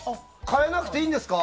変えなくていいんですか？